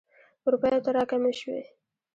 روپیو ته را کمې شوې.